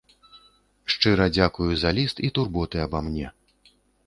Шчыра дзякую за ліст і турботы аба мне.